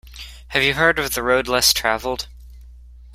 Have you heard of The Road Less Travelled?